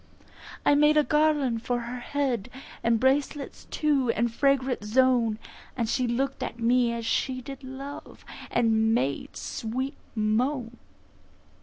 I made a Garland for her head, And bracelets too, and fragrant Zone; She look'd at me as she did love, And made sweet moan.